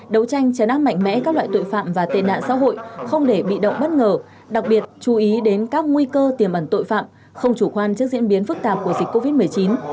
đấu tranh chấn áp mạnh mẽ các loại tội phạm và tên nạn xã hội không để bị động bất ngờ đặc biệt chú ý đến các nguy cơ tiềm ẩn tội phạm không chủ quan trước diễn biến phức tạp của dịch covid một mươi chín